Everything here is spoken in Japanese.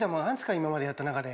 今までやった中で。